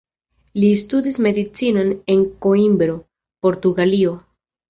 Li studis Medicinon en Koimbro, Portugalio.